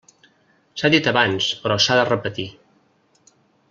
S'ha dit abans però s'ha de repetir.